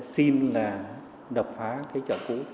xin là đập phá cái chợ cũ